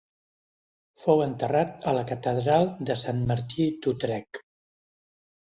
Fou enterrat a la catedral de Sant Martí d'Utrecht.